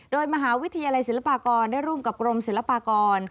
โดยมหาวิทยาลัยศิลปากรได้ร่วมกับกรมศิลปากร